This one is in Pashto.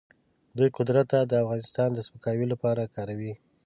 دوی قدرت د افغانستان د سپکاوي لپاره کاروي.